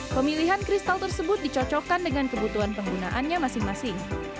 pemilihan kristal tersebut dicocokkan dengan kebutuhan penggunaannya masing masing